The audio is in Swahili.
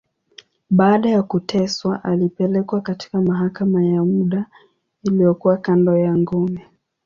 Baada ya kuteswa, alipelekwa katika mahakama ya muda, iliyokuwa kando ya ngome.